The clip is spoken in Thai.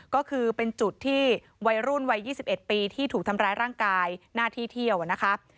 ก็คือเป็นจุดที่วัยรุ่นวัย๒๑ปีที่ถูกทำร้ายร่างกายหน้าที่เที่ยวนะคะ